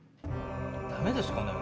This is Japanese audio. ダメですかね？